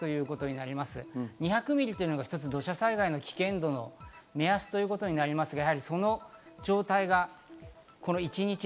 ２００ミリというのが土砂災害の危険度の目安ということになりますが、その状態が一日。